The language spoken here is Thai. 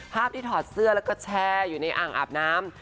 ภาพที่ถอดเสื้อแล้วก็แชร์อยู่ในอ่างอาบน้ำ